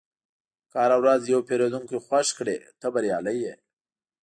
که هره ورځ یو پیرودونکی خوښ کړې، ته بریالی یې.